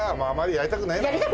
やりたくない？